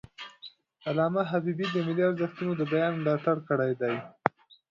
علامه حبیبي د ملي ارزښتونو د بیان ملاتړ کړی دی.